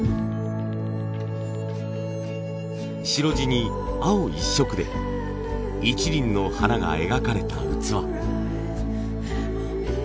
白地に青一色で一輪の花が描かれた器。